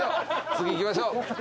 次行きましょう！